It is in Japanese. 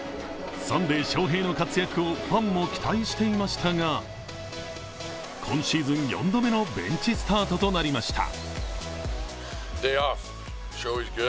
サンデー翔平の活躍をファンも期待していましたが今シーズン４度目のベンチスタートとなりました。